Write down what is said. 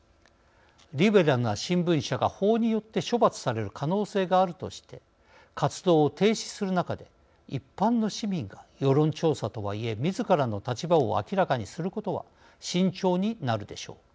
リベラルな新聞社が法によって処罰される可能性があるとして活動を停止する中で一般の市民が世論調査とはいえみずからの立場を明らかにすることは慎重になるでしょう。